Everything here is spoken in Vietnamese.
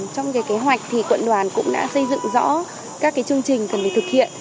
trong kế hoạch thì quận đoàn cũng đã xây dựng rõ các chương trình cần phải thực hiện